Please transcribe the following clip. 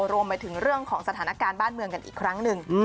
รวมไปถึงเรื่องของสถานการณ์บ้านเมืองกันอีกครั้งหนึ่ง